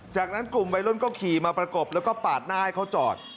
จากนั้นกลุ่มวัยรุ่นก็ขี่มาประกบแล้วก็ปาดหน้าให้เขาจอด